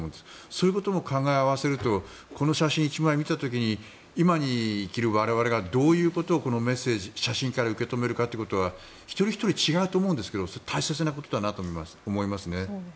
そういうことも考え合わせるとこの写真１枚見た時に今に生きる我々がどういうことを写真から受け取るかということは一人ひとり違うと思うんですが大切なことだなと思いますね。